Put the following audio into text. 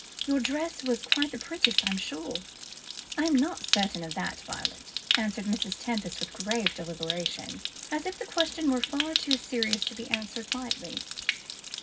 Your dress was quite the prettiest, I am sure?" "I'm not certain of that, Violet," answered Mrs. Tempest with grave deliberation, as if the question were far too serious to be answered lightly.